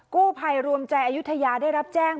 กู้ภัยรวมใจอายุทยาได้รับแจ้ง